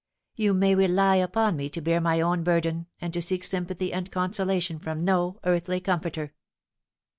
You may rely upon me to bear my own burden, and to seek sympathy and consolation from no earthly comforter.